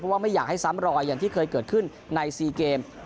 ว่าไม่อยากให้ซ้ำรอยอย่างที่เคยเกิดขึ้นใน๔เกม